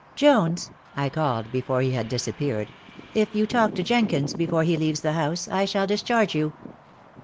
"Jones," I called, before he had disappeared, "if you talk to Jenkins before he leaves the house I shall discharge you."